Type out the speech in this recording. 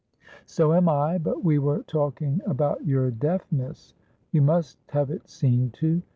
"So am I. But we were talking about your deafness: you must have it seen to.